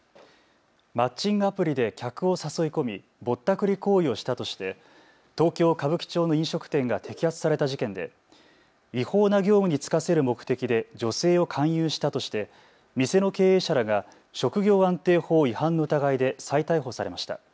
マッチングアプリで客を誘い込みぼったくり行為をしたとして東京歌舞伎町の飲食店が摘発された事件で違法な業務に就かせる目的で女性を勧誘したとして店の経営者らが職業安定法違反の疑いで再逮捕されました。